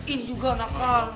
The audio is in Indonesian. ini juga nakal